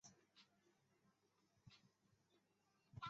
董宪和庞萌首级被送至洛阳。